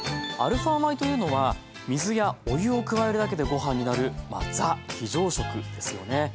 アルファ米というのは水やお湯を加えるだけでご飯になるザ・非常食ですよね。